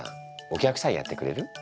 お客さんやってくれる？